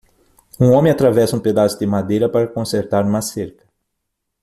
Um homem atravessa um pedaço de madeira para consertar uma cerca.